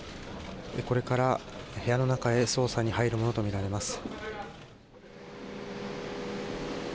これから部屋の中へ捜査に入るものとみられます。